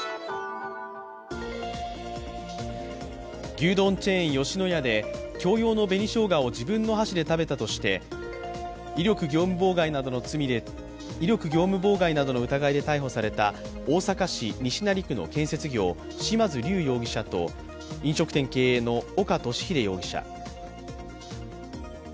牛丼チェーン、吉野家で共用の紅しょうがを自分の箸で食べたとして威力業務妨害などの疑いで逮捕された大阪市西成区の建設業・嶋津龍容疑者と飲食店経営の岡敏秀容疑者。